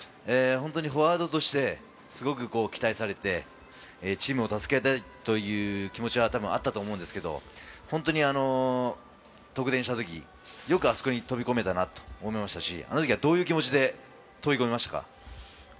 フォワードとしてすごく期待されてチームを助けたいという気持ちはあったと思うんですけど、本当に得点した時、よくあそこに飛び込めたなと思いましたし、あの時はどういう気持ちで飛び込みましたか？